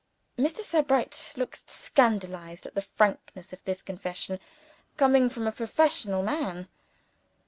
(Mr. Sebright looked scandalized at the frankness of this confession, coming from a professional man).